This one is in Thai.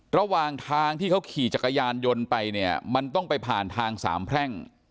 ระหว่างทางที่เขาขี่จักรยานยนต์ไปเนี่ยมันต้องไปผ่านทางสามแพร่ง